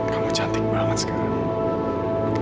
kamu cantik banget sekarang